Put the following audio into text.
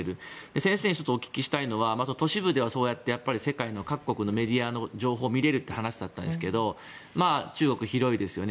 先生にお聞きしたいのは都市部ではそうやって世界各国のメディアが見られるという話でしたが中国は広いですよね。